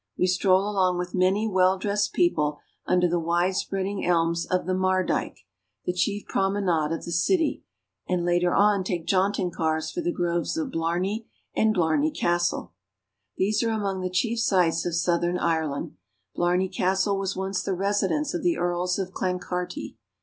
We stroll along with many well dressed people under the widespreading elms of the Mardyke, the chief promenade of the city, and later on take jaunting cars for the Groves of Blarney and Blarney Castle. These are among the chief sights of southern Ireland. Blarney Castle was once the residence of the Earls of Clancarty.